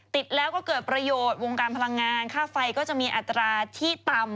ติดแล้วก็เกิดประโยชน์วงการพลังงานค่าไฟก็จะมีอัตราที่ต่ำ